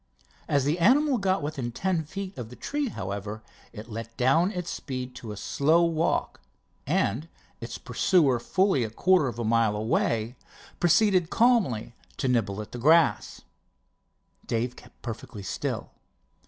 As the animal got within ten feet of the tree, however, it let down its speed to a slow walk, and, its pursuer fully a quarter of a mile away, proceeded calmly to nibble at the grass. Dave kept perfectly still.